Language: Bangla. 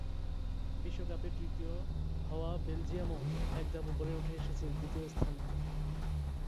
বিশ্বকাপে তৃতীয় হওয়া বেলজিয়ামও এক ধাপ ওপরে উঠে এসেছে দ্বিতীয় স্থানে।